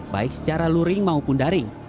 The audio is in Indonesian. baik secara luring maupun daring